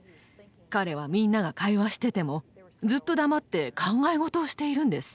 彼はみんなが会話しててもずっと黙って考え事をしているんです。